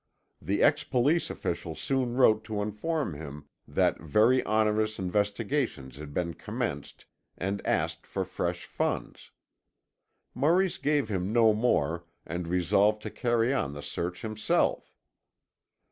The ex police official soon wrote to inform him that very onerous investigations had been commenced and asked for fresh funds. Maurice gave him no more and resolved to carry on the search himself.